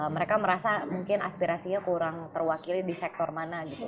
mereka merasa mungkin aspirasinya kurang terwakili di sektor mana gitu